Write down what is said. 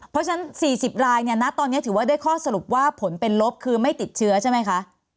เพราะฉะนั้น๔๐รายเนี่ยณตอนนี้ถือว่าได้ข้อสรุปว่าผลเป็นลบคือไม่ติดเชื้อใช่ไหมคะ